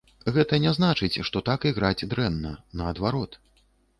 Гэта не значыць, што так іграць дрэнна, наадварот.